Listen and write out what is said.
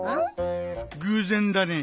偶然だね